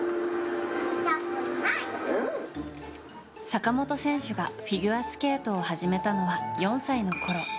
坂本選手がフィギュアスケートを始めたのは４歳のころ。